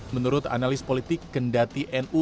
menurut analis politik kendati nu